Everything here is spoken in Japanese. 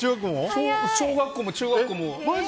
小学校も中学校も。